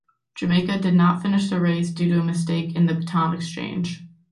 Jamaica did not finish the race due to a mistake in the baton exchange.